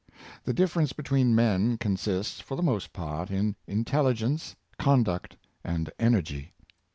The difference between men consists, for the most part, in intelligence, conduct, and energy.